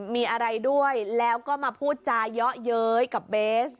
มีอะไรด้วยแล้วก็มาพูดจาเยาะเย้ยกับเบส